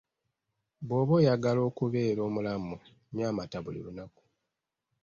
Bw'oba oyagala okubeera omulamu nywa amata buli lunaku.